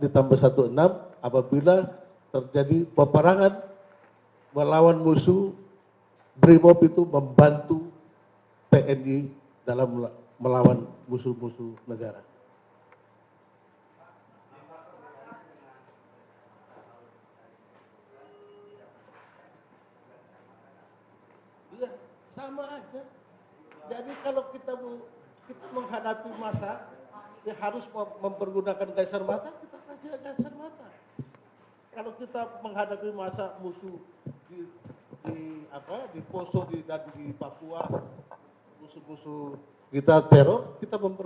tetap pakai peluru tapi peluru hampa